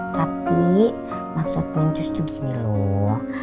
tapi maksudnya justru gini loh